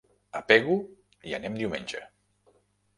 A Pego hi anem diumenge.